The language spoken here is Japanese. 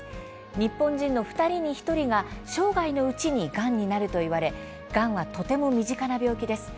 日本人の２人に１人が生涯のうちにがんになるといわれがんはとても身近な病気です。